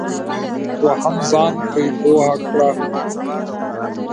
دوهم ځان پرې پوه کړئ.